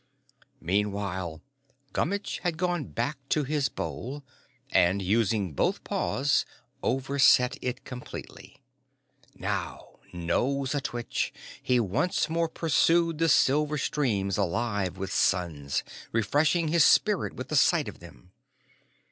Meanwhile, Gummitch had gone back to his bowl and, using both paws, overset it completely. Now, nose a twitch, he once more pursued the silver streams alive with suns, refreshing his spirit with the sight of them.